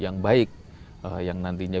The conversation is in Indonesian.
yang baik yang nantinya